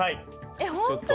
えっ本当に？